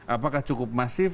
apakah cukup masif